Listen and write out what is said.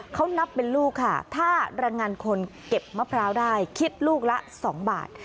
เขานับเป็นลูกค่ะถ้ารายงานคนเก็บมะพร้าวได้คิดลูกละ๒บาท